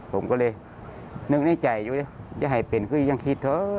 ผมก็เลยนึกในใจอยู่นะจะให้เป็นก็ยังคิดเถอะ